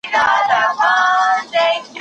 حکومتونو پر مهال، د دوهاتشه متعصبینو ترمنځ